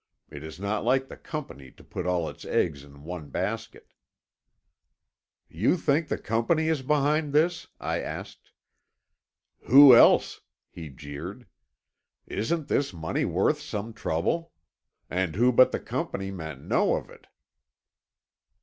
It is not like the Company to put all its eggs in one basket." "You think the Company is behind this?" I asked. "Who else?" he jeered. "Isn't this money worth some trouble? And who but the Company men know of it?"